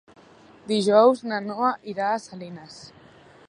Dijous na Noa irà a Salines.